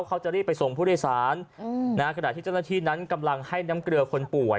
เขาจะรีบไปส่งผู้โดยสารขณะที่เจ้าหน้าที่นั้นกำลังให้น้ำเกลือคนป่วย